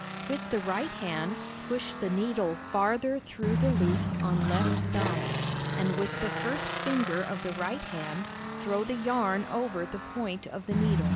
With the right hand push the needle farther through the loop on left thumb, and with the first finger of the right hand throw the yarn over the point of the needle.